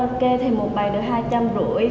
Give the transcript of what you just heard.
ok thì một bài được hai trăm linh rưỡi